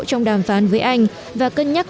trong đàm phán với anh và cân nhắc